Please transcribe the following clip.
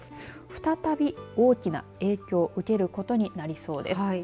再び大きな影響を受けることになりそうです。